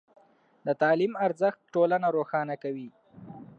د تعلیم ارزښت ټولنه روښانه کوي.